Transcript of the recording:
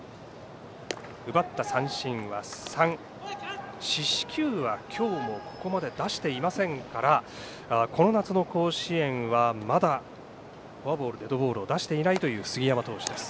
奪った三振は３四死球は今日もここまで出していませんからこの夏の甲子園は、まだフォアボール、デッドボールを出していないという杉山投手です。